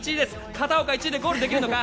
片岡、１位でゴールできるのか。